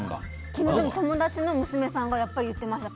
昨日、友達の娘さんが言ってました。